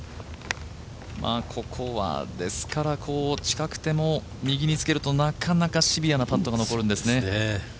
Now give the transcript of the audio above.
ここはですから近くても右につけるとなかなかシビアなパットが残るんですね。